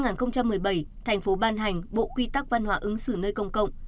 năm hai nghìn một mươi bảy thành phố ban hành bộ quy tắc văn hóa ứng xử nơi công cộng